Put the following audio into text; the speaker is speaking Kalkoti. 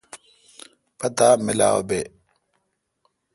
پتا ملاو بی۔